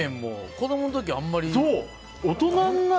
子供の時、あんまり。